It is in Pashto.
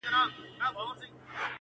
نه په ژوند کي یې څه پاته نه یې خوند وو،